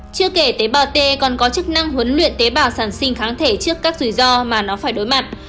chưa kể tế bào t còn có chức năng huấn luyện tế bào sản sinh kháng thể trước các rủi ro mà nó phải đối mặt